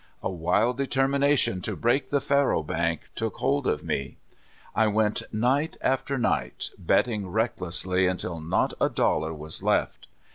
A wild determination to break the faro bank took hold of me. I went night after night, betting recklessly until not a dollar was left.